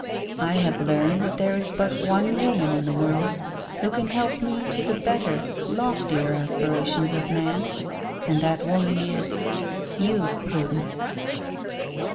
I have learned that there is but one woman in the world who can help me to the better, loftier aspirations of man, and that woman is you, Prudence."